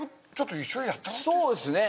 そうですね